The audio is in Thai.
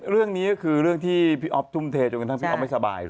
เรื่องนี้คือเรื่องที่พี่อ๊อฟตุ้มเทจนกำลังที่พี่อ๊อฟไม่ปลอดภัย